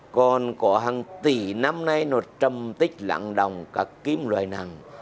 còn có hàng tỷ năm nay nó trầm tích lặng đồng các kiếm loại năng